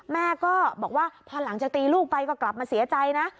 แม่ก็บอกว่าพอหลังจากตีลูกไปก็กลับมาเสียใจนะ